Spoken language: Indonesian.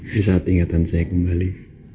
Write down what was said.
di saat ingatan saya kembali